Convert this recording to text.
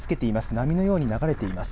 波のように流れています。